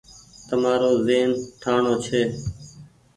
تمآرو زهين ٺآڻوڻ ڇي۔